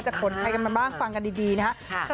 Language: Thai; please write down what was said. จะขนไพกันมาบ้างฟังกันดีนะคะ